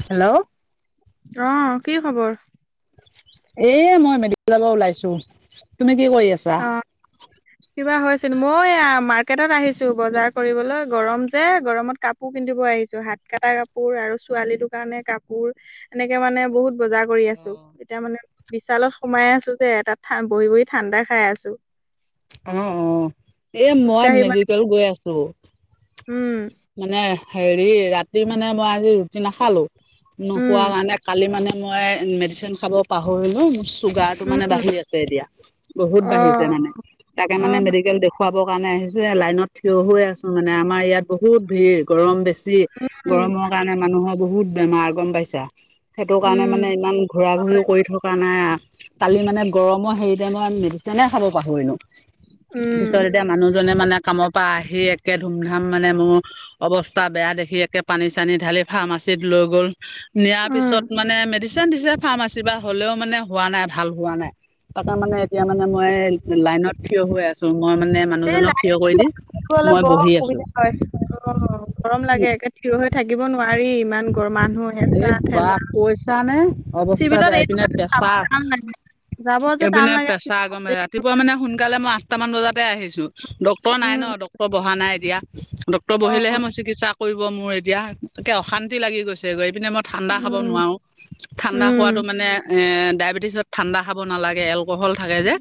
Hello অ কি খবৰ? এ মই মেডিকেল পৰা ওলাইছো, তুমি কি কৰি আছা? অ', কিবা হৈছিল মই মাৰ্কেটত আহিছো বজাৰ কৰিবলৈ গৰম যে গৰমত কাপোৰ পিন্ধিব আহিছো হাত কটা কাপোৰ আৰু ছোৱালীটো কাৰণে কাপোৰ এনেকে মানে বহুত বজাৰ কৰি আছো, অ'। এতিয়া মানে বিশালত সোমাই আছো যে তাত বহি বহি ঠাণ্ডা খাই আছো। অ অ এ মই খোজকাঢ়ি মানে মেডিকেল গৈ আছো, উম মানে হেৰি ৰাতি মানে মই আজি ৰুটি নাখালোঁ, নোখোৱা উম কাৰণে কালি মানে মই মেডিচিন খাব পাহৰিলো চুগাৰটো মানে উম বাঢ়ি আছে এতিয়া বহুত অ বাঢ়িছে মানে তাকে অ মানে মেডিকেল দেখুৱাব কাৰনে আহিছো এইয়া লাইনত থিয় হৈ আছো মানে আমাৰ ইয়াত বহুত ভিৰ, গৰম বেছি বেছি উম গৰমৰ কাৰণে মানুহৰ বহুত বেমাৰ গম পাইছা। সেইটো কাৰণে মানে উম ইমান ঘূৰা ঘূৰিও কৰি থকা নাই আৰু কালি মানে গৰমৰ সেইৰি টাইমত মই মেডিচিনে খাব পাহৰিলোঁ। পিছত উম এতিয়া মানুহজনে মানে কামৰ পৰা আহি একে ধুমধাম মানে মোৰ অৱস্থা বেয়া দেখি একে পানী চানী ঢালি ফাৰ্মাচীত লৈ গ'ল নিয়াৰ উম পিছত মানে মেডি চেন ফাৰ্মাচী পা হ'লেও মানে হোৱা নাই ভাল হোৱা নাই, তাক মানে এতিয়া মানে মই লাইনত থিয় হৈ আছো মই মানে এই মানুহজনক লাইট থিয় কৰি দি অলপ মই বৰ বহি আছো। অসুবিধা হয় অ গৰম লাগে একে থিৰ হৈ থাকিব নোৱাৰি ইমান গ মানুহ এই হেঁচা বা ঠেলা। কৈছানে অৱস্থা চিভিলত বেয়া এইটো এপিনে কাৰণে যাব পেছা টান লাগে যাব যে এইপিনে টান লাগে পেছা আগমে ৰাতিপুৱা মানে সোনকালে মই আঠটামান বজাতে আহিছো ডক্টৰ নাই ন উম ডক্টৰ বহা নাই এতিয়া। ডক্তৰ অ, বহিলেহে মই চিকিৎসা কৰিব মোৰ এতিয়া, একে অশান্তি লাগি গৈছে। এপিনে মই ঠাণ্ডা খাব উম নোৱাও ঠাণ্ডা খোৱাতো উম মানে এ ডায়েবেটিছত ঠাণ্ডা খাব নালাগে এলকহল থাকে যে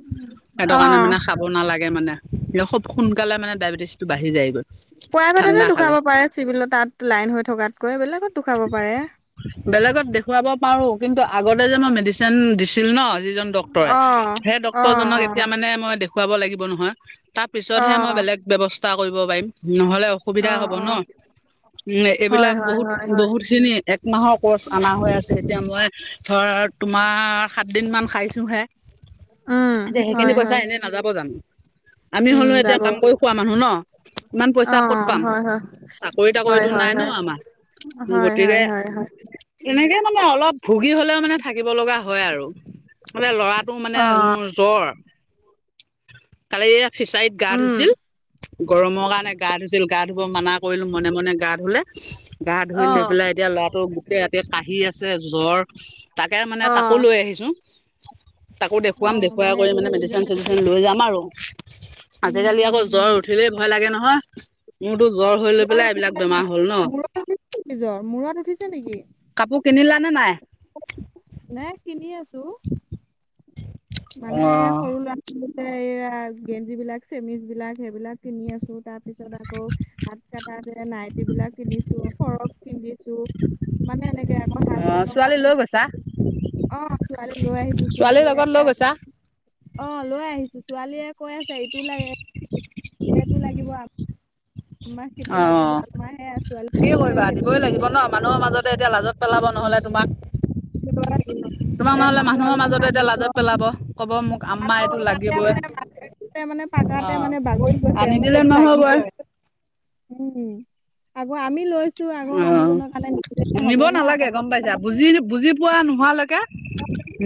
সেইটো অ কাৰণে মানে খাব নালাগে মানে। এ খুব সোনকালে মানে ডায়েবেটিছটো বাঢ়ি যায় গৈ। পোৱাইভেটতে দুখাব পাৰে চিভিলত তাত লাইন হৈ থকাতকৈ, বেলেগত টো খাব পাৰে। বেলেগত দেখুৱাব পাৰোঁ কিন্তু আগতে যে মই মেডিচিন দিছিলো ন যিজন ডক্তৰে অ সেই অ ডক্তৰ জনক এতিয়া মানে মই দেখুৱাব লাগিব নহয়। তাৰ অ অ পিছতহে মই বেলেগ ব্যৱস্থা কৰিব পাৰিম। নহলে অ অসুবিধা হব অ ন উ হয় এইবিলাক হয় বহুত হয় হয় বহুত খিনি একমাহৰ কৰ্চ অনা হৈ আছে, এতিয়া মই ধৰ তোমাৰ সাত দিন মান খাইছোহে উম এতিয়া হয় সেইখিনি হয় পইচা এনেই নাযাব জানো? আমি উম হলেও এতিয়া যাব অ কাম কৰি খোৱা মানুহ ন ইমান পইচা কত পাম। হয় হয় চাকৰি হয় তাকৰিতো হয় নাই হয় ন আমাৰ। হয় হয় হয় হয়। সেনেকে মানে অলপ ভুগি হলেও মানে থাকিব লগা হয় আৰু। বোলে ল'ৰাটো মানে অ মোৰ জ্বৰ। কালি এই ফিচাৰীত গা উম ধুইছিল। গৰমৰ কাৰণে গা ধুইছিল, গা ধু ব‌ মানা কৰিলো মনে মনে গা ধুলে। গা অ ধুই লৈ পেলাই এতিয়া ল'ৰাটো গোটেই ৰাতি কাঁহি আছে জ্বৰ। তাকে মানে অ তাকো লৈ আহিছোঁ। তাকো অ দেখুৱাম, দেখুৱাই কৰি মানে একেবাৰে মেডিচিন দুইজনে চেডিচিন লৈ যাম আৰু। উম আজিকালি উম আকৌ উম জ্বৰ উঠিলেই ভয় লাগে নহয়। মোৰতো জ্বৰ হৈ লৈ পেলাই এইবিলাক বেমাৰ হ'ল ন। নিজৰ মূৰত উঠিছে নেকি? হয় নে নাই? নাই কিনি আছো। [inaudible] মানে অ সৰু ল'ৰাটোলে এইয়া গেঞ্জী বিলাক চেমিচ বিলাক, সেইবিলাক কিনি আছো, তাৰ পিছত আকৌ হাত কটা যে নাইটি বিলাক কিনিছো, ফৰক কি নিছো, মানে এনেকে আকৌ অ হাজবেণ্ডৰ ছোৱালী কাৰণে লৈ গৈছা কিনিছো। অঁ ছোৱালী লৈ আহিছো, ছোৱালীৰ ছোৱালীয়ে লগত লৈ গৈছা অঁ লৈ আহিছো, ছোৱালীয়ে কৈ আছে ইটো লাগে সেইটো লাগিব আ অঁ ছোৱালী কি যিটো লাগে কৰিবা, সেইটোকে দিবই দি লাগিব ন, মানুহৰ মাজতে এতিয়া লাজত পেলাব নহ'লে তোমাক। নো তোমাক [unintelligible] নহ'লে মানুহৰ আগতে মাজতে এতিয়া কান্দিব। লাজত পেলাব ক'ব মোক আম্মা আকৌ এইটো তাতে লাগিবই মানে মাটিতে মানে অ পকাতে মানে বাগৰি গৈছে মোক আনিদিলে এইটো নহ'বই লাগিবই। উম। আকৌ আমি লৈছো আকৌ অ মানুহজনৰ কাৰণে নিনিলেহে হ'ব। নিব নালাগে গম পাইছা, বুজি বুজি পোৱা নোহোৱা লৈকে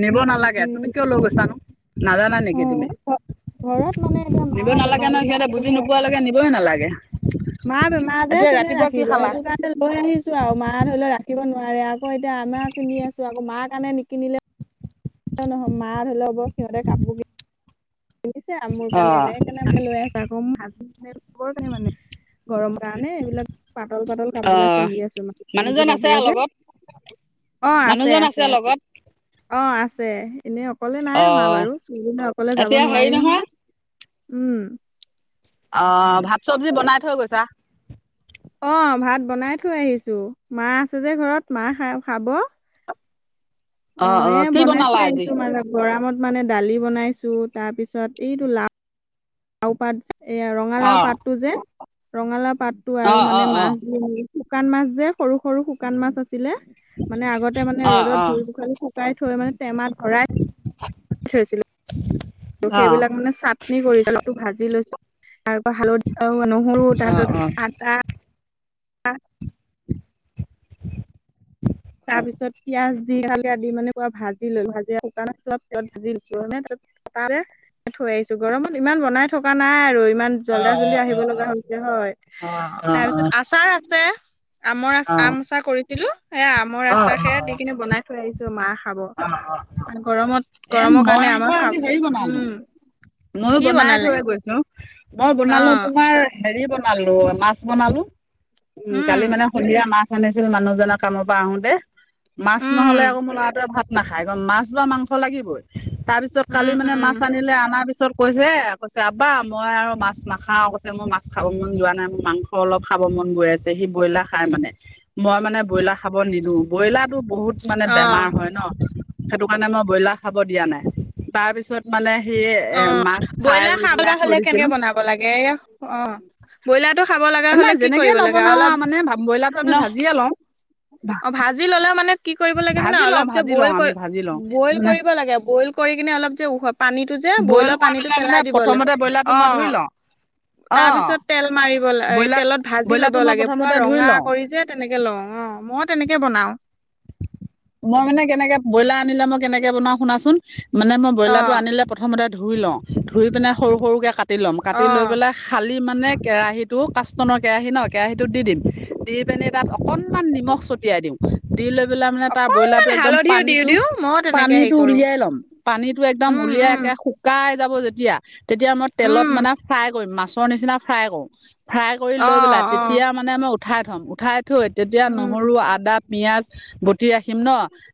নিব উম নালাগে। উম তুমি কিয় লৈ গৈছানো? নাজানা নেকি উম, তুমি? অ ঘৰত মানে এতিয়া নিব মাও নালাগে বেমাৰী নহ, না সিহঁতে বুজি কোনে ৰাখিব। নোপোৱা লৈকে নিবই নালাগে। মা বেমাৰ যে। এতিয়া কোনে ৰাতিপুৱা কি ৰাখিব? খালা সেইটো কাৰণে লৈ আহিছো আৰু মা ধৰি লৈ ল ৰাখ খিব নোৱাৰে, আকৌ এতিয়া আমাৰ কিনি আছো আকৌ মাৰ কাৰণে নিকিনিলে নহব মাঁই ধৰি লব সিহঁতে কাপোৰ কি কিনিছে আৰু মোৰ অ কাৰণে? সেই কাৰণে লৈ আছো। আকৌ [unintelligible] ওচৰতে মানে। গৰম কাৰণে এইবিলাক পাতল পাতল কাপোৰ অ বিলাক পিন্ধি আছো মানে গেঞ্জী মানুহজন আছে কাপোৰ যে। লগত অঁ আছে মানুহজন আছে আছে। লগত অঁ আছে। এনেই অকলে নাই অহা বাৰু চিভিললৈ অকলে যাব সেয়া নোৱাৰি হেৰি নহয়? উম। অঁ ভাত চব্জি বনাই থৈ গৈছা? অ ভাত বনাই থৈ আহিছো, মা আছে যে ঘৰত, মা খাই খাব। অ অঁ অ এ কি বনাই বনালা থৈ আজি আহিছো মানে গৰমত মানে দালি বনাইছো, তাৰপিছত এইটো লাও লাওপাত যে এইয়া অ ৰঙালাও পাতটো যে, ৰঙালাও পাতটো অ আৰু অ মানে অ মাছ শুকান মাছ যে সৰু সৰু শুকান মাছ আছিলে, মানে আগতে মানে অ ৰ'দত অ অ ধুই পুখালি শু শুকাই থৈ মানে টেমাত ভৰাই ছিলো অ অ সেইবিলাক মানে চাটনি কৰি পেলাই ভাজি লৈছো, তাৰ পৰা হালধি নহৰু অ অ অ অ তাৰপিছত আদা হয়। [unintelligible] তাৰপিছত পিঁয়াজ। খালি দি মানে পুৰা ভাজি লৈ ভাজি শুকানত ভাজি লৈছোঁ মানে‌ পাইছো গৰমত ইমান বনাই থকা নাই আৰু। ইমান অ অ জল্দা জল্দি আহিব লগা হৈছে হয় অ তাৰ পিছত আচাৰ আছে। আমৰ আচ অ অ আমৰ আচাৰ কৰিছিলোঁ সেয়া আমৰ আচাৰ সেয়া দি কিনি বনাই থৈ আহিছোঁ মাহ খাব অ আৰু গৰমত এ গৰমৰ কাৰণে আমাৰ খাব উম। মইয়ো কি বনাই বনালে? থৈয়ে গৈছোঁ। মই অ বনালো তোমাৰ হেৰি বনালো মাছ বনালো। উম কালি মানে সন্ধিয়া মাছ আনিছিল মানুহজনৰ কামৰ পৰা আহো তে। মাছ নহলে উম আকৌ মোৰ লৰাটোৱে ভাত নাখায় মাছ বা মাংস লাগিবই। তাৰ পিছত উম কালি মানে মাছ উম আনিলে অনাৰ পিছত। কৈছে কৈছে আব্বা মই আৰু মাছ নাখাওঁ। কৈছে মই মাছ খাব মন যোৱা নাই মোৰ মাংস অলপ খাব মন। মন গৈ আছে সি ব্ৰইলাৰ খাই মানে মই মানে ব্ৰইলাৰ খাব নি দো ব্ৰইলাৰতো বহুত মানে বেমাৰ অ হয় ন। সেইটো কাৰণে মই ব্ৰইলাৰ খাব দিয়া নাই তাৰ পিছত মানে সেই। অ ব্ৰইলাৰ খাবলে হ'লে কেনেকে বনাব লাগে অ। ব্ৰইলাৰতো খাব লগা নাই হলে কি যেনেকেই কৰিব লাগে নবনাও আৰু অলপ মানে ব্ৰইলাৰটো আমি ন ভাজিয়ে লওঁ অ ভাজি ললে মানে। কি কৰিব লাগে জানা ভাজি লওঁ অলপ যে ভাজি লওঁ বই আমি ভাজি লওঁ বইল মানে কৰিব লাগে বইল কৰি কিনে অলপ যে পানীতো যে বইল ব্ৰইলাৰ কৰি পানীটো মানে পেলাই দিব লাগে প্ৰথমতে ব্ৰইলাৰটো অ। মই ধুই লওঁ অ তাৰ পিছত তেল মাৰিব ল ব্ৰইলাৰ তেলত ভাজি ল'ব ব্ৰইলাৰটো মই লাগে পুৰা প্ৰথমতে ধুই ৰঙা লওঁ কৰি যে তেনেকে লও। অ মই তেনেকে বনাও। মই মানে কেনেকে ব্ৰইলাৰ আনিলে মই কেনেকে বনাও শুনাচোন। মানে মই অ ব্ৰইলাৰটো আনিলে প্ৰথমতে ধুই লওঁ, ধুই পিনে সৰু সৰুকৈ কাটি ল'ম অ কাটি লৈ পেলাই হাল দি মানে কেৰাহীতো কাছটনৰ কেৰাহী ন কেৰাহীটো দি দিম দিম পিনে তাত অকনমান নিমখ ছটিয়াই দিওঁ দি লৈ পেলাই মানে তাৰ ব্ৰইলাৰটো অকনমান একদম হালধিও দিও পানীতো দিও মই তেনেকে হেৰি পানীতো কৰো উলিয়াই ল'ম পানীতটো একদম উম উলিয়াই উম একে শুকাই যাব যে তেতিয়া তেতিয়া মই তেলত উম মানে ফ্ৰাই কৰিম মাছৰ নিচিনা ফ্ৰাই কৰো। ফ্ৰাই কৰি অ লৈ পেলাই অ তেতিয়া মানে মই উঠাই থ'ম উঠাই থৈ তেতিয়া উম নহৰু আদা পিয়াজ বতি ৰাখিম ন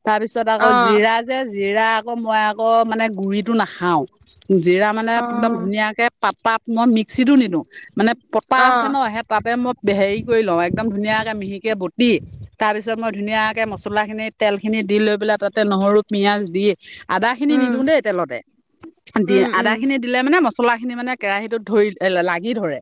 তাৰ পিছত আকৌ অ', জিৰা যে জিৰা। আকৌ মই আকৌ মানে গুৰিটো নাখাওঁ জিৰা মানে একদম অ', ধুনীয়াকে পাতাট মই মিক্সিটো নিদিওঁ মানে পতা আছে অ', ন সেই তাতে মই হেৰি কৰি লওঁ একদম ধুনীয়াকে মিহিকে বটি তাৰ পিছত তাৰপিছত মই ধুনীয়াকে মছলাখিনি তেলখিনি দি লৈ পেলাই তাতে নহৰু পিয়ঁয়াজ দি আদা খিনি নিদিওঁ উম, দেই তেলতে। দি উম, আদা উম, খিনি দিলে মানে মছলা খিনি মানে কেৰাহীটোত ধৰি লাগি ধৰে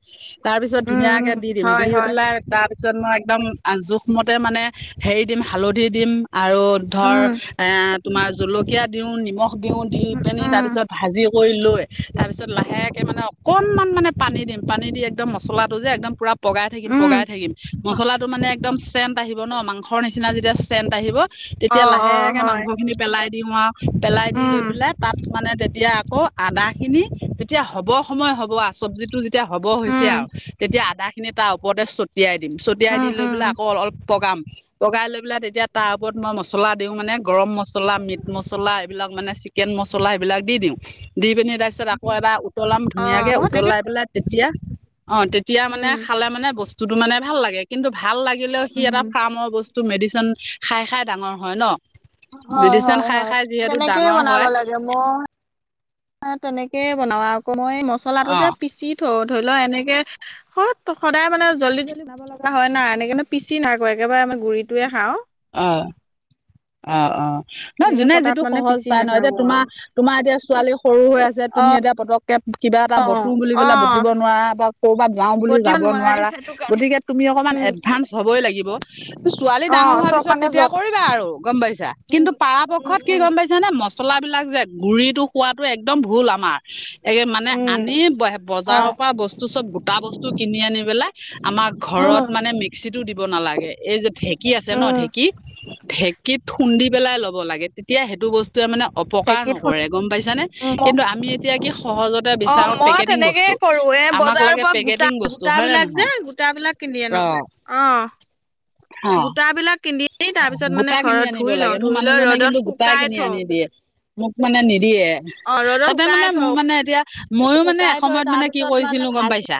তাৰপিছত উম, ধুনীয়াকে উম, দি দিম হয়, দি হয়, পেলাই তাৰপিছত মই একদম জোখমতে মানে হেৰি দিম হালধি দিম আৰু ধৰ উম, এ তোমাৰ জলকীয়া দিও নিমখ দিও দি উম, পিনে তাৰ উম, পিছত ভাজি কৰি লৈ তাৰপিছত লাহেকৈ মানে অকণমান মানে পানী দিম পানী দি একদম মছলাটো যে একদম পুৰা। পগাই থাকিম উম পগাই থাকিম হ- মছলাটো মানে একদম চেণ্ট আহিব ন মাংসৰ নিচিনা যেতিয়া চেণ্ট আহিব তেতিয়া অ', অ', লাহেকে হয়, মাংস খিনি পেলাই দিওঁ আৰু পেলাই দি লৈ উম, পেলাই তাত মানে তেতিয়া আকৌ আদা খিনি যেতিয়া হ'ব সময় হ'ব আও চব্জি টো তেতিয়া হ'ব হৈছে উম, আৰু, তেতিয়া আদাখিনি তাৰ ওপৰতে চ টিয়াই দিম ছটিয়াই উম, দি লৈ পেলাই উম, আকৌ অলপ পগাম পগাই লৈ পেলাই তেতিয়া তাৰ ওপৰত মই মছলা দিওঁ মানে গৰম মছলা, মিট মছলা এইবিলাক মানে চিকেন ম মছলা সেইবিলাক দি দিওঁ, দি পিনি তাৰপিছত আকৌ এবাৰ উ উতলাম অ', ধুনীয়াকে, মই তেনেকে উতলাই পেলাই তেতিয়া অ তেতিয়া মানে উম, খালে মানে বস বস্তুটো মানে ভাল লাগে কিন্তু ভাল লাগিলেও সি এটা উম, ফাৰ্মৰ বস্তু মেডিচিন খাই খাই ডাঙৰ হয় ন। অহ হয় মেডিচিন হয় খাই হয় খাই যিহেতু তেনেকেই ডাঙৰ বনাব হয় লাগে। মই তেনেকে বনাও আকৌ মই মচলাটো অ যে পিচি থওঁ। ধৰি লও এনেকে সত সদায় মানে জল্দি জল্দি বনাব লগা হয় নাই আনি কেনে পিচি নাই কৰা একেবাৰে গুৰিটোৱে খাও। অ, অ অ। নহয় তেনেকে যোনে পতাত যিটো মানে সহজ পিচি পায় ন এতিয়া নাথাকো আৰু তোমাৰ তোমাৰ এতিয়া ছোৱালী সৰু হৈ আছে, তুমি এতিয়া পতক কিবা এটা বতু অ', বুলি পেলাই অ', বতিব নোৱাৰা বা ক'ৰবাত যাওঁ বুলি বটিব যাব নোৱাৰি নোৱাৰা সেইটো কাৰণে। গতিকে তুমি অকমান উম, এডভান্স হবই লাগিব, ছোৱালী ডাঙৰ অ' হোৱাৰ পিছত চব পিছত মানে তেতিয়া য'ত কৰিবা আৰু গম পাইছা, কিন্তু উম, উম, পাৰাপক্ষত কি উম, গম পাইছা নে মছলা বিলাক যে গুৰিতো খোৱাতো একদম ভুল আমাৰ এই মানে উম, আনি হয়, বজাৰৰ পৰা বস্তু চব গোটা বস্তু কিনি আনি পেলাই আমাৰ ঘৰত উম, ঘৰত মানে মিক্সিটো দিব নালাগে, এই যে ঢেঁকী আছে ন উম, ঢেক কি ঢেঁকীত খুন্দি পেলাই লব লাগে, তেতিয়া সেইটো বস টোৱে মানে অপকাৰ ঢেঁকীত খুন্দি নকৰে গম পাইছানে, উম, কিন্তু আমি এতিয়া কি সহজতে অ' বিচাৰো মই পেকেটিং তেনেকেই বস্তু। কৰো এ আমাক বজাৰৰ লাগে পৰা গোটা পেকেটিং বস্তু হয় নে গোটাবিলাক যে নহয় গোটাবিলাক কিনি আনো অ। অ গোটাবিলাক কিনি ই তাৰ পিছত মানে গোটা কিনি ঘৰত আনিব ধুই লওঁ, লাগে মোৰ ধুই লৈ মানুহজনে ৰ'দত কিন্তু গোটাই শুকাই কিনি থওঁ। আনি দিয়ে মোক মানে নিদিয়ে। অ' ৰ'দত তাতে শুকাই মানে মোৰ থওঁ মানে এতিয়া মইও মানে শুকাই থৈ এসময়ত তাৰ মানে কি পিছত মানে কৰিছিলো গম ভাজি পাইছা?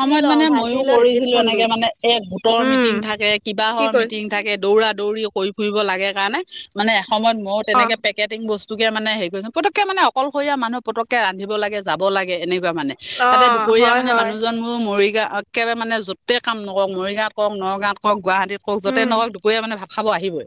ভাজি লওঁ মানে ভাজি মইও লৈ ঢেঁকীত কৰিছিলো খুন্দো এনেকে মানে এ গোটৰ উম, মিটিং থাকে, কি কিবাহৰ কৈ মিটিং থাকে দৌৰা -দৌৰি কৰি ফুৰিব লাগে কাৰণে মানে এসময়ত মই অ', তেনেকে পেকেটিং বস যোগে মানে হেৰি কৰিছে, পতককে মানে অকলশৰীয়া মানুহ পতককে ৰান্ধিব লাগে, যাব লাগে এনে লাভ মানে, তাতে অ' দুপৰীয়া হয়, মানে হয়, মানুহজন মোৰ মৰি একেবাৰে মানে যতে কাম নকৰক মৰিগাঁৱত কৰক, নগাঁৱত কৰক, গুৱাহাটীত কৰক যতে উম, নকৰক দুপৰীয়া মানে ভা খাব আহিবই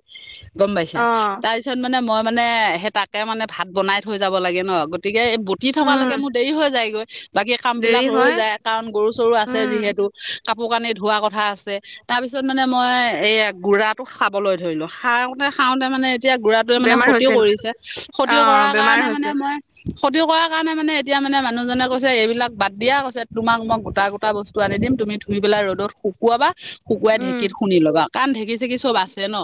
গম পাইছা, অ'। তাৰপিছত মানে মই মানে সেই তাকে মানে ভাত বনাই থৈ যাব লাগে ন গতিক কে বতি উম, থকালৈকে মোৰ দেৰি হৈ যায়গৈ, বাকী দেৰি কামবিলাক ৰৈ হয়, যায়, কাৰণ গৰু -চৰু আছে উম, যিহেতু কাপোৰ- কানি ধোৱা কথা আছে, তাৰ পিছত মানে মই এ গুৰাটো খাবলৈ ধৰি লো খাওঁতে খাওঁতে মানে এতিয়া গুৰাটোৱে মানে বেমাৰ ক্ষতিও হৈছে নি? কৰিছে, ক্ষতিও অ', কৰাৰ বেমাৰ কাৰণে মানে হৈছে, মই ক্ষতি কৰাৰ কাৰণে মানে এতিয়া মানে মানুহজনে কৈছে এইবিলাক বাদ দিয়া কৈছে, তোমাক মই গোটা গোটা বস্তু আনি দি ম তুমি ধুই পেলাই ৰ'দত শুকুৱাবা, শুকুৱাই উম, ঢেকীত খুন্দি ল'বা, কাৰণ ঢেঁকী চেঁকী চব আছে ন।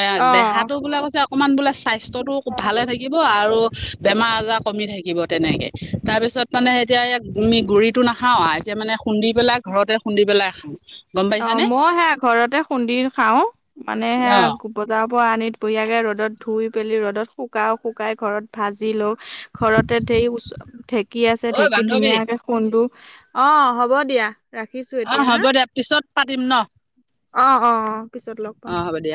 এ অ', দেহাটো বোলে কৈছে অকমান বোলে স্বাস্থ্যটো ভালে থাকিব আৰু বেমাৰ- আজাৰ কমি থাকিব। তেনেকে, তাৰপিছত মানে এতিয়া এইয়া মি গুৰিটো নাখাও এতিয়া মানে খুন্দি পেলাই ঘৰতে খুন্দি পেলাই খাওঁ। গম অ পাইছানে মই সেয়া ঘৰতে খুন্দি খাও, মানে অ সেয়া বজা পৰা আনিত বঢ়িয়াকে ৰ'দত ধুই পেলি ৰ'দত শুকাও, শুকাই ঘৰত ভাজি লও ঘৰতে ধেই বস্তু ঢেকী আছে ঐ ঢেঁকী বান্ধৱী ধুনীয়াকে খুন্দো অ হ'ব দিয়া, ৰাখিছো অ এতিয়া হ'ব হা। দে পিছত পাতিম ন। অ অ অ পিছত লগ অ পাম। হ'ব দিয়া